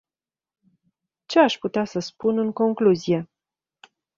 Ce aș putea să spun în concluzie?